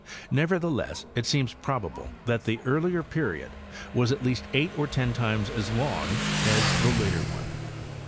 Nevertheless, itseems probable that the earlier period was at least eight or ten times as long as the later one.